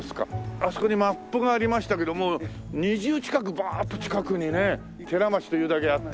あそこにマップがありましたけどもう２０近くバーッと近くにね。寺町というだけあって。